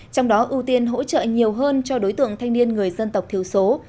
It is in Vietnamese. trong đó ưu tiên hỗ trợ nhiều hơn cho đối tượng thanh niên người dân tộc thiếu số